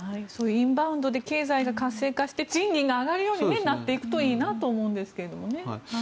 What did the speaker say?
インバウンドで経済が活性化して賃金が上がるようになっていくといいなと思うんですけどね。